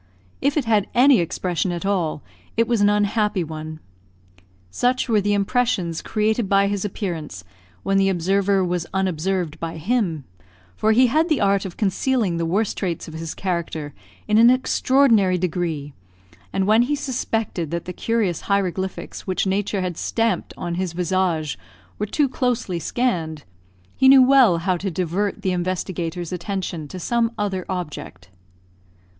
If it had any expression at all, it was an unhappy one. Such were the impressions created by his appearance, when the observer was unobserved by him; for he had the art of concealing the worst traits of his character in an extraordinary degree, and when he suspected that the curious hieroglyphics which Nature had stamped on his visage were too closely scanned, he knew well how to divert the investigator's attention to some other object.